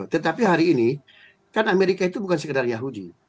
tetapi hari ini kan amerika itu bukan sekedar yahudi